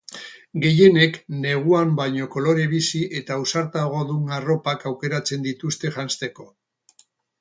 Gehienek, neguan baino kolore bizi eta ausartagodun arropak aukeratzen dituzte janzteko.